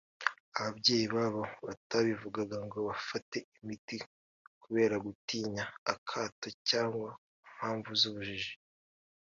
ababyeyi babo batabivuga ngo bafate imiti kubera gutinya akato cyangwa ku mpamvu z’ubujiji